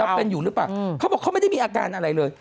เป็นอยู่หรือเปล่าเขาบอกเขาไม่ได้มีอาการอะไรเลย